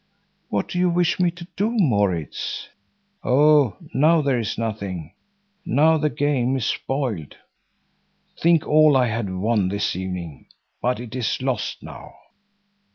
"What do you wish me to do, Maurits?" "Oh, now there is nothing; now the game is spoiled. Think all I had won this evening! But it is lost now."